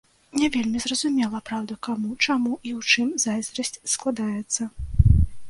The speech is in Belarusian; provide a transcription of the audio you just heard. Не вельмі зразумела, праўда, каму, чаму і ў чым зайздрасць складаецца.